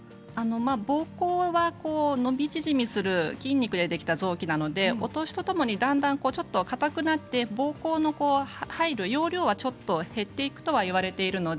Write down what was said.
ぼうこうは伸び縮みする筋肉でできた臓器なのでお年とともにだんだんかたくなってぼうこうの入る容量はちょっと減っていくとはいわれています。